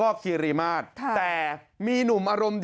โอ้ยน้ำแรงมากเลย